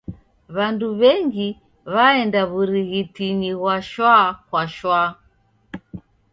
W'andu w'engi w'aenda w'urighitinyi ghwa shwa kwa shwa.